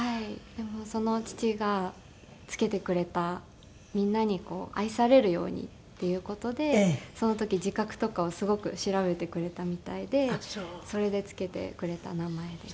でもその父が付けてくれたみんなにこう愛されるようにっていう事でその時字画とかをすごく調べてくれたみたいでそれで付けてくれた名前です。